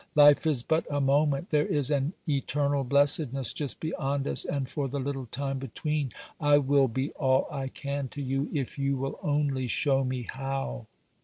Life is but a moment. There is an eternal blessedness just beyond us, and for the little time between, I will be all I can to you if you will only show me how.